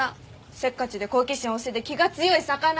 せっかちで好奇心旺盛で気が強い魚。